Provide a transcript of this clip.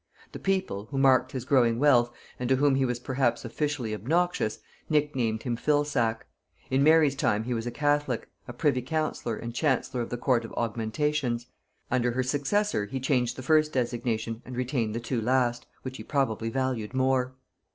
The people, who marked his growing wealth, and to whom he was perhaps officially obnoxious, nicknamed him Fill sack: in Mary's time he was a catholic, a privy councillor, and chancellor of the court of Augmentations; under her successor he changed the first designation and retained the two last, which he probably valued more.